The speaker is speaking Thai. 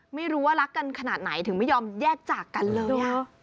ไม่รู้ว่ารักกันขนาดไหนถึงไม่ยอมแยกจากกันเลย